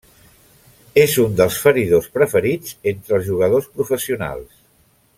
És un dels feridors preferits entre els jugadors professionals.